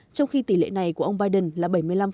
trong khi tỷ lệ này của ông biden là bảy mươi năm